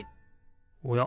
おや？